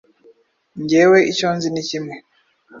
njyewe icyonzi ni kimwe,